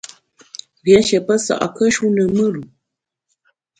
Rié nshié pesa’kùe-shu ne mùr-u.